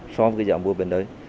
so với cái giá mua bên đấy